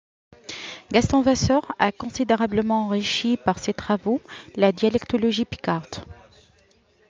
Gaston Vasseur a considérablement enrichi par ses travaux la dialectologie picarde.